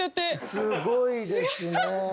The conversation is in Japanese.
すごいですね。